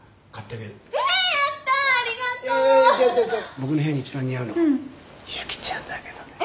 僕の部屋に一番似合うのユキちゃんだけどね。